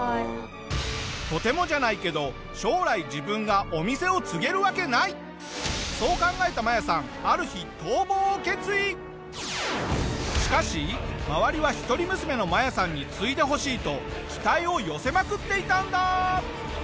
とてもじゃないけど将来そう考えたマヤさんある日しかし周りは一人娘のマヤさんに継いでほしいと期待を寄せまくっていたんだ！